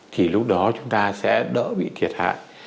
thì lúc đó chúng ta sẽ đỡ bị thiệt hại